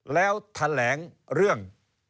แล้วแถลงเรื่อง